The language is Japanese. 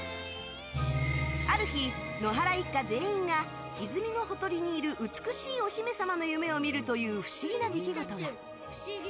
ある日、野原一家全員が泉のほとりにいる美しいお姫様の夢を見るという不思議な出来事が。